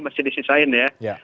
masih disisain ya